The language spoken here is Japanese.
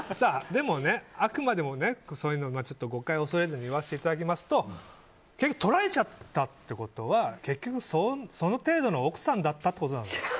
でもね、あくまでも誤解を恐れずに言わせていただきますととられちゃったってことは結局その程度の奥さんだったってことなんですよ。